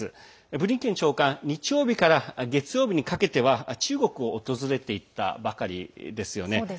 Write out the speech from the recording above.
ブリンケン長官日曜日から月曜日にかけては中国を訪れていたばかりですよね。